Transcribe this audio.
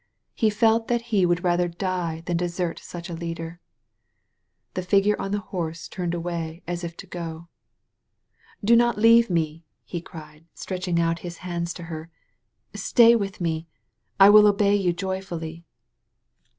He felt that he would rather die than desert such a leader. The figure on the horse turned away as if to go. "Do not leave me," he cried, stretching out his 129 THE VALLEY OF VISION hands to her. '^Stay with me. I will obey yoa joyfully."